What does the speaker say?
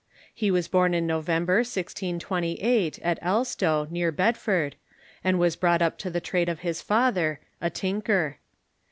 He was born in November, 1628, at Elstow, near Bedford, and was brought up to the trade of his father, a tinker.